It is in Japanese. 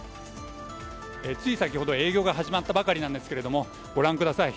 つい先ほど営業が始まったばかりですがご覧ください